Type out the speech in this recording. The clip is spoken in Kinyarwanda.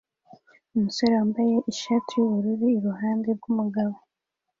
Umusore wambaye ishati yubururu iruhande rwumugabo